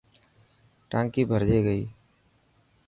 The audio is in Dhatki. ٽانڪي ڀرجي گئي.